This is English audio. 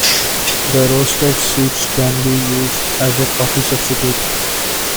The roasted seeds can be used as a coffee substitute.